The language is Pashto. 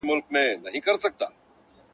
ووایه نسیمه نن سبا ارغوان څه ویل!٫.